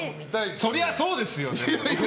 そりゃあそうですよ！